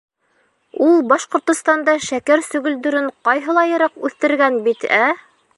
Ул Башҡортостанда шәкәр сөгөлдөрөн ҡайһылайыраҡ үҫтергән бит, ә?